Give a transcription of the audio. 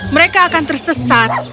mereka akan tersesat